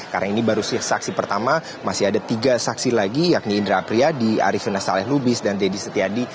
karena ini baru saja saksi pertama masih ada tiga saksi lagi yakni indra apriyadi arifin nasaleh lubis dan deddy setiadi